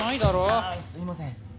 あすいません。